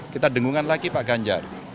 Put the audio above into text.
kita dengungkan lagi pak ganjar